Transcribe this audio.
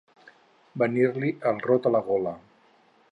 Venir-li el rot a la gola.